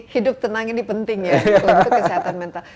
hidup tenang ini penting ya untuk kesehatan mental